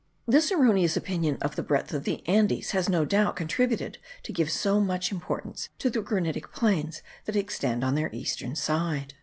This erroneous opinion of the breadth of the Andes has no doubt contributed to give so much importance to the granitic plains that extend on their eastern side.